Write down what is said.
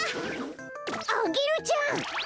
アゲルちゃん！